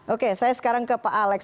oke saya sekarang ke pak alex